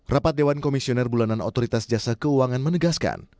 rapat dewan komisioner bulanan otoritas jasa keuangan menegaskan